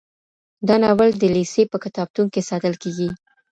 دا ناول د لېسې په کتابتون کي ساتل کیږي.